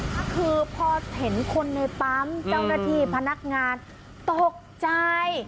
ก็คือพอเห็นคนในปั๊มเจ้าหน้าที่พนักงานตกใจ